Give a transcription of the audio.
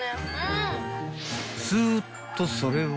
［すっとそれを］